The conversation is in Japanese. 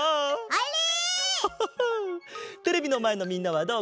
あれ？